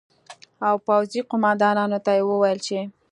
او پوځي قومندانانو ته یې وویل چې